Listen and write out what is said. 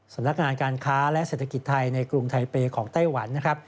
สำนักงานการค้าและเศรษฐกิจไทยในกรุงไทเปย์ของไต้หวันนะครับ